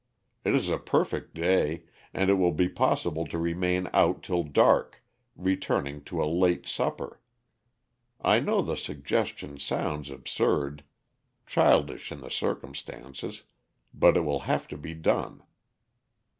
It is a perfect day, and it will be possible to remain out till dark, returning to a late supper. I know the suggestion sounds absurd childish in the circumstances but it will have to be done.